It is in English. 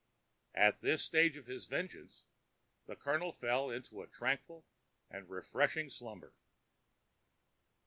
At this stage of his vengeance the Colonel fell into a tranquil and refreshing slumber.